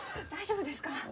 大丈夫ですか？